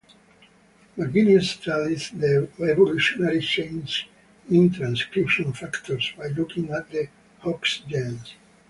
McGinnis studies the evolutionary changes in transcription factors by looking at the Hox genes.